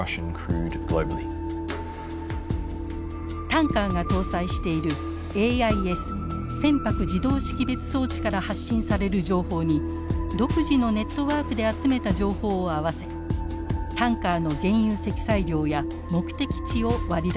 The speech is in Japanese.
タンカーが搭載しているＡＩＳ船舶自動識別装置から発信される情報に独自のネットワークで集めた情報を合わせタンカーの原油積載量や目的地を割り出しています。